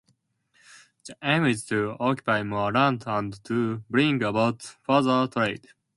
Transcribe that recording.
The aim is to occupy more land and to bring about further trade.